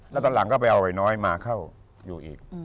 แล้วตอนหลังก็ไปเอาไอ้น้อยมาเข้าอยู่อีก